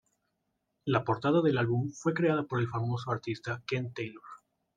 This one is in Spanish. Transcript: La portada del álbum fue creada por el famoso artista Ken Taylor.